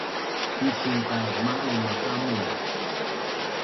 pising cak ma’un makamun